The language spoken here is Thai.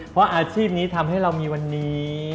เพราะอาชีพนี้ทำให้เรามีวันนี้